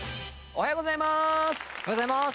おはようございます！